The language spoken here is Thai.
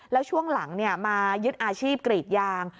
แล้วช่วงหลังมายึดอาชีพกรีดยาง